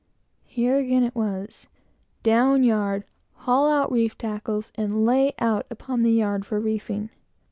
Here again it was down yard, haul out reef tackles, and lay out upon the yard for reefing.